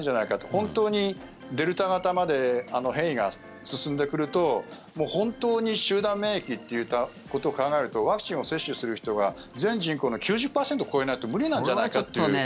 本当にデルタ型まで変異が進んでくると本当に集団免疫っていうことを考えるとワクチンを接種する人が全人口の９０％を超えないと無理なんじゃないかって。